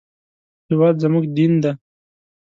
هېواد زموږ دین دی